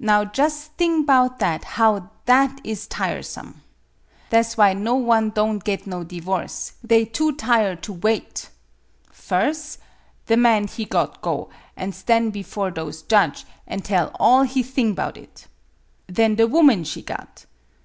Now jus' thing 'bout that how that is tiresome! Tha' 's why no one don' git no divorce; they too tire' to wait. Firs', the man he got go an' stan' bifore those judge, an' tell all he thing 'bout it. Then the woman she got.